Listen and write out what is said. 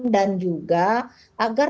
dan juga agar